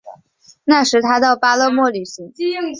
那时他到巴勒莫旅行。